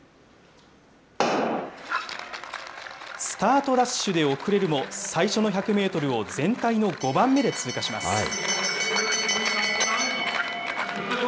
スタートダッシュで遅れるも、最初の１００メートルを全体の５番目で通過します。